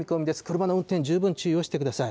車の運転、十分注意をしてください。